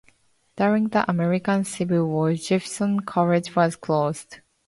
During the American Civil War, Jefferson College was closed.